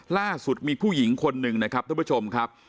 ล่าสุดมีผู้หญิงคนหนึ่งนะครับท่านผู้ชมครับ